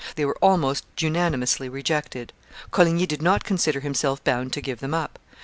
They were almost unanimously rejected. Coligny did not consider himself bound to give them up.